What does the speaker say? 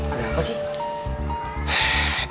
pada apa sih